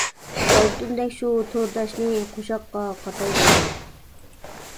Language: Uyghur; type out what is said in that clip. ئالتۇندەك شۇ تورداشنى، قوشاققا قاتاي دەيمەن.